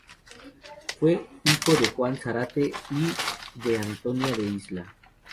Fue hijo de Juan de Zárate y de Antonia de Isla.